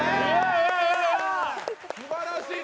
すばらしい！